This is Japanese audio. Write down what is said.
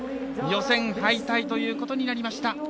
予選敗退ということになりました。